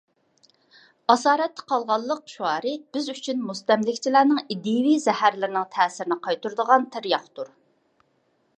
«ئاسارەتتە قالغانلىق» شۇئۇرى بىز ئۈچۈن مۇستەملىكىچىلەرنىڭ ئىدىيەۋى زەھەرلىرىنىڭ تەسىرىنى قايتۇرىدىغان تىرياقتۇر.